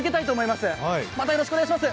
またよろしくお願いします。